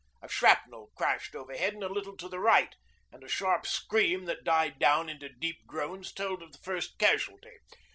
A shrapnel crashed overhead and a little to the right, and a sharp scream that died down into deep groans told of the first casualty.